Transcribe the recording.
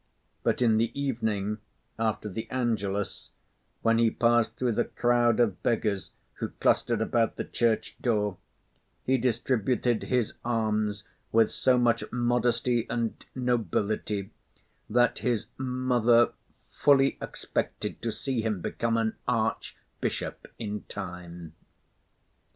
But in the evening, after the Angelus, when he passed through the crowd of beggars who clustered about the church door, he distributed his alms with so much modesty and nobility that his mother fully expected to see him become an archbishop in time.